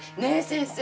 先生。